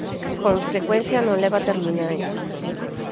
Con frecuencia non leva terminais.